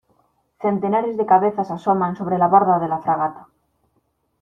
centenares de cabezas asoman sobre la borda de la fragata